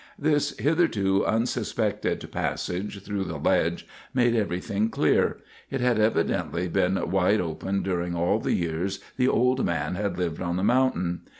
This hitherto unsuspected passage through the ledge made everything clear. It had evidently been wide open during all the years the old man had lived on the mountain.